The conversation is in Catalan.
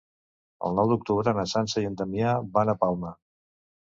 El nou d'octubre na Sança i en Damià van a Palma.